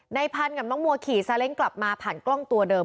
พันธุ์กับน้องมัวขี่ซาเล้งกลับมาผ่านกล้องตัวเดิม